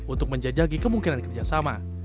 untuk menjajaki kemungkinan kerjasama